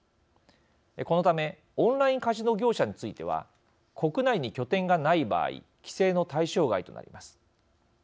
このためオンラインカジノ業者については国内に拠点がない場合規制の対象外となります。